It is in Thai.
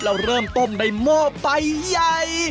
แล้วเริ่มต้มในโม่ไปใหญ่